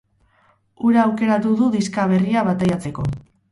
Hura aukeratu du diska berria bataiatzeko.